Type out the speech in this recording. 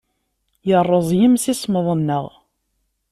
Yerreẓ yemsismeḍ-nneɣ.